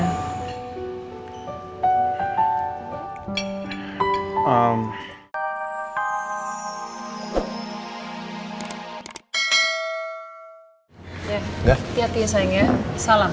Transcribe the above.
tidak ada aja ya